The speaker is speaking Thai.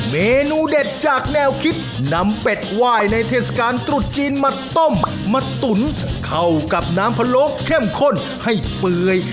เมนูเด็ดจากแนวคิดนำเป็ดไหว้ในเทศกาลตรุษจีนมาต้มมาตุ๋นเข้ากับน้ำพะโลกเข้มข้นให้เปื่อย